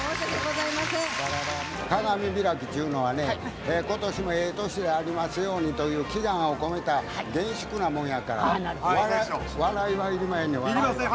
鏡開きっちゅうのはね今年もええ年でありますようにという祈願を込めた厳粛なもんやから笑いはいりまへんねや笑いは。